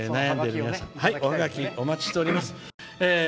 おハガキ、お待ちしております。